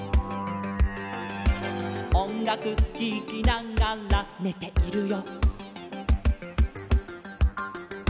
「おんがくききながらねているよ」